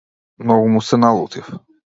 Многу му се налутив.